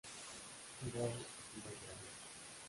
Iroh sigue entrenando.